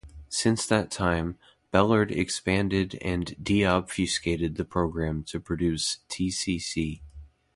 Since that time, Bellard expanded and deobfuscated the program to produce tcc.